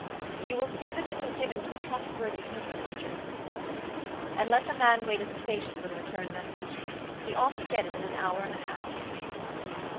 "You will see that this is given to a trustworthy person, Richards," he said, "and let the man wait at the station for the return message. He ought to get it in an hour and a half."